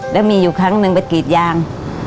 แล้วมีอยู่ครั้งหนึ่งไปกรีดยาง